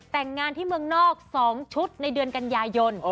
แต่งงานที่เมืองนอก๒ชุดในเดือนกันยายน